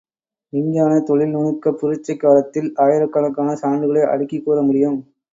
விஞ்ஞான தொழில் நுணுக்கப் புரட்சிக் காலத்தில் ஆயிரக்கணக்கான சான்றுகளை அடுக்கிக்கூற முடியும்.